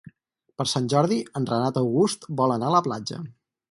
Per Sant Jordi en Renat August vol anar a la platja.